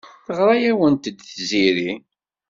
Teɣra-awent-d Tiziri.